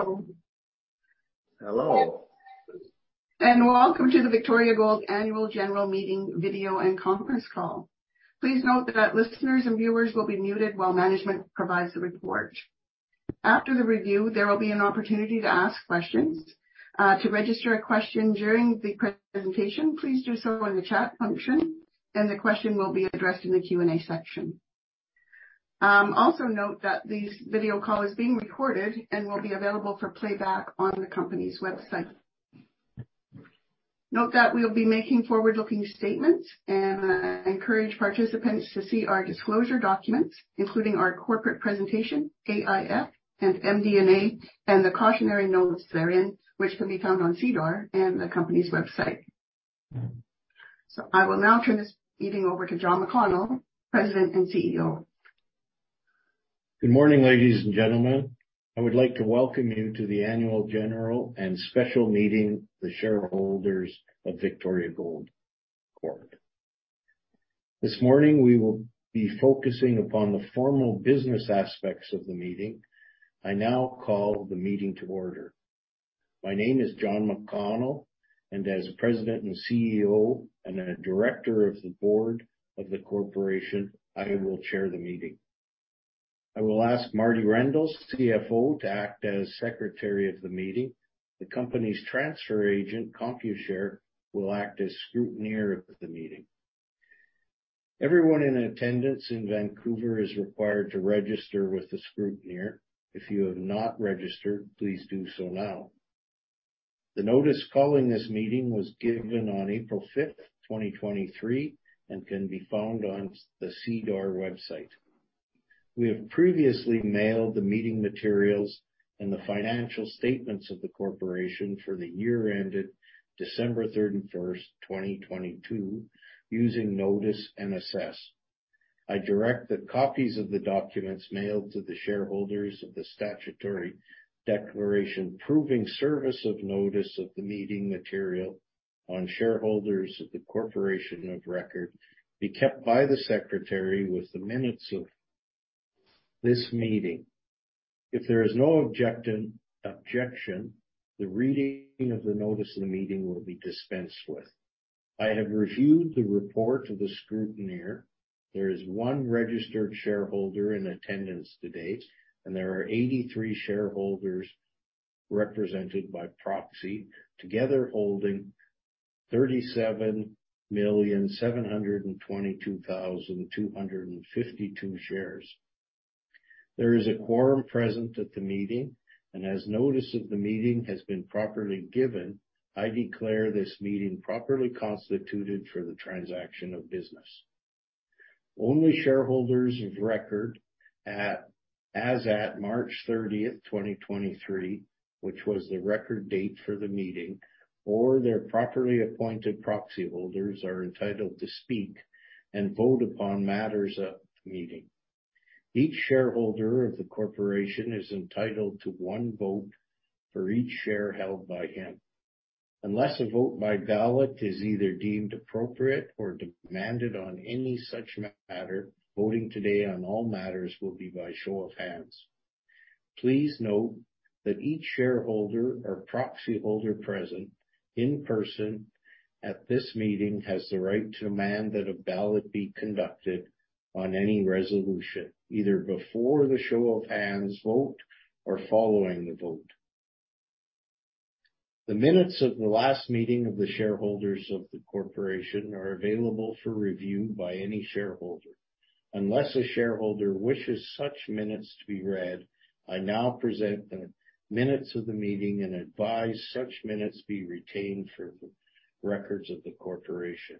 Hello. Hello. Welcome to the Victoria Gold Annual General Meeting video and conference call. Please note that listeners and viewers will be muted while management provides the report. After the review, there will be an opportunity to ask questions. To register a question during the presentation, please do so in the chat function, and the question will be addressed in the Q&A section. Note that this video call is being recorded and will be available for playback on the company's website. Note that we'll be making forward-looking statements and I encourage participants to see our disclosure documents, including our corporate presentation, AIF, and MD&A, and the cautionary notes therein, which can be found on SEDAR and the company's website. I will now turn this meeting over to John McConnell, President and CEO. Good morning, ladies and gentlemen. I would like to welcome you to the annual general and special meeting of the shareholders of Victoria Gold Corp. This morning, we will be focusing upon the formal business aspects of the meeting. I now call the meeting to order. My name is John McConnell, and as President and CEO and a director of the Board of the Corporation, I will chair the meeting. I will ask Marty Rendall, CFO, to act as Secretary of the meeting. The company's transfer agent, Computershare, will act as Scrutineer of the meeting. Everyone in attendance in Vancouver is required to register with the scrutineer. If you have not registered, please do so now. The notice calling this meeting was given on April 5th, 2023, and can be found on the SEDAR website. We have previously mailed the meeting materials and the financial statements of the corporation for the year ended December 31st, 2022 using notice and access. I direct that copies of the documents mailed to the shareholders of the statutory declaration proving service of notice of the meeting material on shareholders of the corporation of record be kept by the Secretary with the minutes of this meeting. If there is no objection, the reading of the notice of the meeting will be dispensed with. I have reviewed the report of the scrutineer. There is one registered shareholder in attendance to date, and there are 83 shareholders represented by proxy, together holding 37,722,252 shares. There is a quorum present at the meeting, and as notice of the meeting has been properly given, I declare this meeting properly constituted for the transaction of business. Only shareholders of record as at March 30th, 2023, which was the record date for the meeting, or their properly appointed proxy holders are entitled to speak and vote upon matters at the meeting. Each shareholder of the corporation is entitled to one vote for each share held by him. Unless a vote by ballot is either deemed appropriate or demanded on any such matter, voting today on all matters will be by show of hands. Please note that each shareholder or proxy holder present in person at this meeting has the right to demand that a ballot be conducted on any resolution, either before the show of hands vote or following the vote. The minutes of the last meeting of the shareholders of the corporation are available for review by any shareholder. Unless a shareholder wishes such minutes to be read, I now present the minutes of the meeting and advise such minutes be retained for the records of the corporation.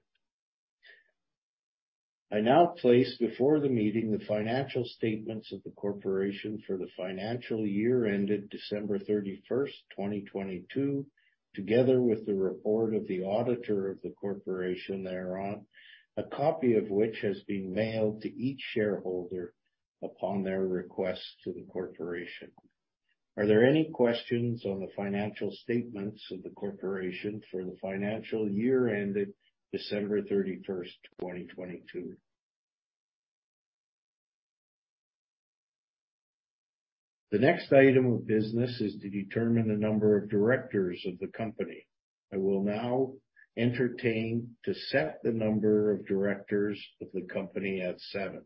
I now place before the meeting the financial statements of the corporation for the financial year ended December 31st, 2022, together with the report of the auditor of the corporation thereon, a copy of which has been mailed to each shareholder upon their request to the corporation. Are there any questions on the financial statements of the corporation for the financial year ended December 31st, 2022? The next item of business is to determine the number of directors of the company. I will now entertain to set the number of directors of the company at seven.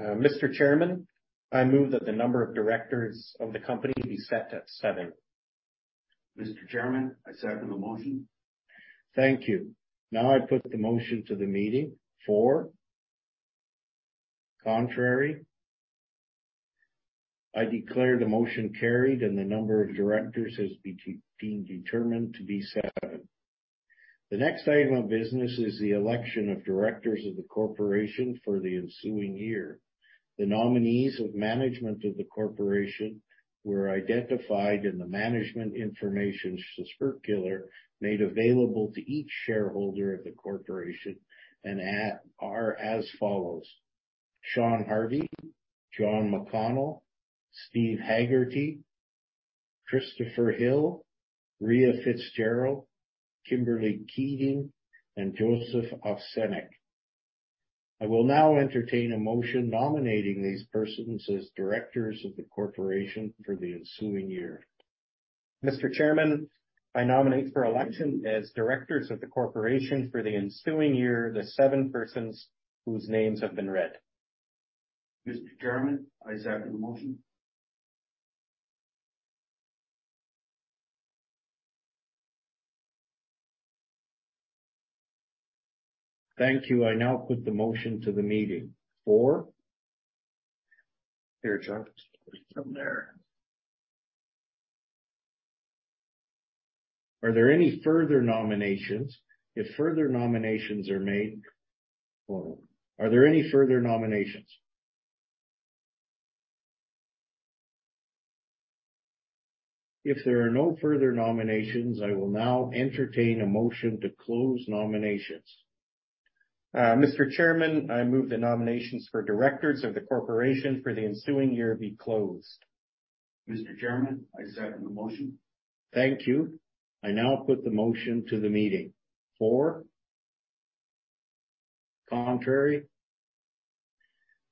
Mr. Chairman, I move that the number of directors of the company be set at seven. Mr. Chairman, I second the motion. Thank you. Now I put the motion to the meeting. For? Contrary? I declare the motion carried and the number of directors has been determined to be seven. The next item of business is the election of directors of the corporation for the ensuing year. The nominees of management of the corporation were identified in the management information circular made available to each shareholder of the corporation and are as follows: Sean Harvey, John McConnell, Steve Haggarty, Christopher Hill, Ria Fitzgerald, Kimberly Keating, and Joseph Ovsenek. I will now entertain a motion nominating these persons as directors of the corporation for the ensuing year. Mr. Chairman, I nominate for election as directors of the corporation for the ensuing year, the seven persons whose names have been read. Mr. Chairman, I second the motion. Thank you. I now put the motion to the meeting. For? Here, John. It's from there. Are there any further nominations? If further nominations are made Hold on. Are there any further nominations? If there are no further nominations, I will now entertain a motion to close nominations. Mr. Chairman, I move the nominations for directors of the corporation for the ensuing year be closed. Mr. Chairman, I second the motion. Thank you. I now put the motion to the meeting. For? Contrary?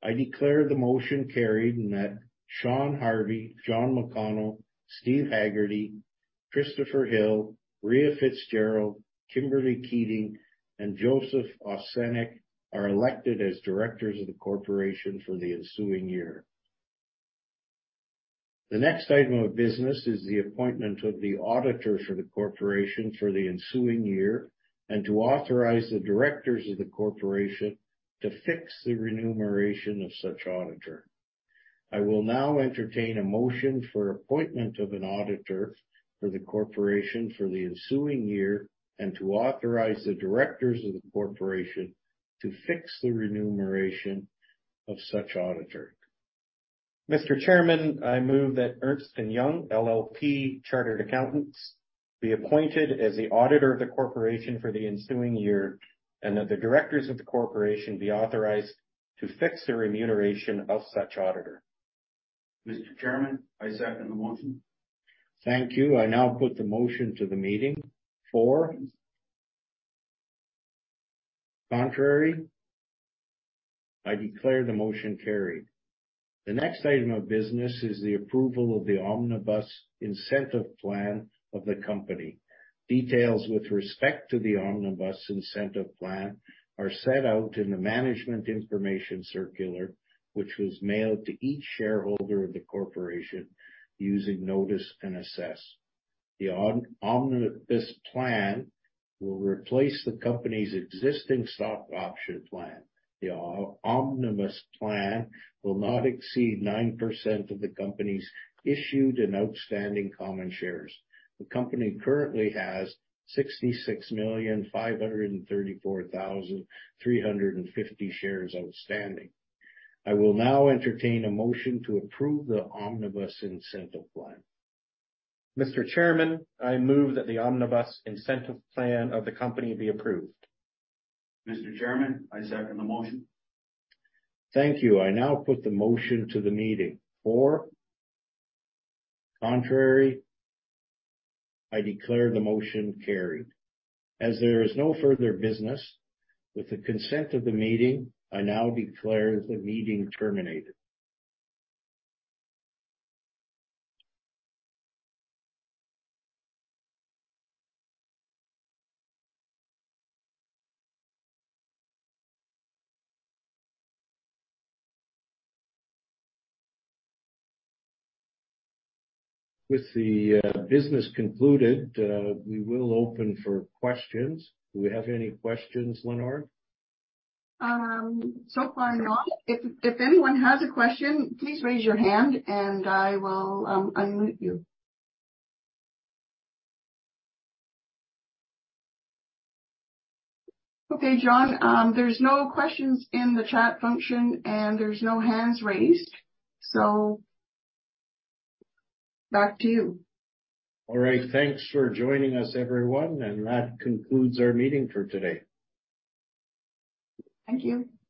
I declare the motion carried, and that Sean Harvey, John McConnell, Steve Haggarty, Christopher Hill, Ria Fitzgerald, Kimberly Keating, and Joseph Ovsenek are elected as directors of the corporation for the ensuing year. The next item of business is the appointment of the auditor for the corporation for the ensuing year, and to authorize the directors of the corporation to fix the remuneration of such auditor. I will now entertain a motion for appointment of an auditor for the corporation for the ensuing year, and to authorize the directors of the corporation to fix the remuneration of such auditor. Mr. Chairman, I move that Ernst & Young LLP Chartered Accountants be appointed as the auditor of the corporation for the ensuing year, and that the directors of the corporation be authorized to fix the remuneration of such auditor. Mr. Chairman, I second the motion. Thank you. I now put the motion to the meeting. For? Contrary? I declare the motion carried. The next item of business is the approval of the Omnibus Incentive Plan of the company. Details with respect to the Omnibus Incentive Plan are set out in the management information circular, which was mailed to each shareholder of the corporation using notice and access. The Omnibus Plan will replace the company's existing stock option plan. The Omnibus Plan will not exceed 9% of the company's issued and outstanding common shares. The company currently has 66,534,350 shares outstanding. I will now entertain a motion to approve the Omnibus Incentive Plan. Mr. Chairman, I move that the Omnibus Incentive Plan of the company be approved. Mr. Chairman, I second the motion. Thank you. I now put the motion to the meeting. For? Contrary? I declare the motion carried. As there is no further business, with the consent of the meeting, I now declare the meeting terminated. With the business concluded, we will open for questions. Do we have any questions, Leonard? So far not. If anyone has a question, please raise your hand and I will unmute you. Okay, John, there's no questions in the chat function and there's no hands raised, back to you. All right. Thanks for joining us, everyone, and that concludes our meeting for today. Thank you.